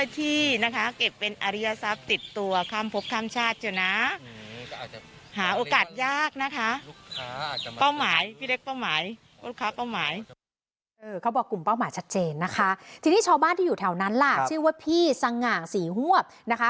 ที่นี่ช้าบ้านที่อยู่แถวนั้นล่ะชื่อว่าพี่สังห่างสี่หวบนะคะ